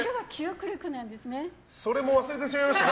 それも忘れてしまいました？